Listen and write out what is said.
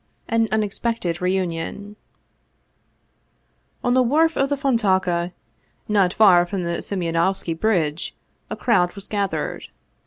AN UNEXPECTED REUNION ON the wharf of the Fontauka, not far from Simeonov ski Bridge, a crowd was gathered.